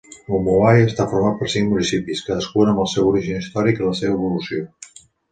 Umuahia està format per cinc municipis, cadascun amb el seu origen històric i la seva evolució.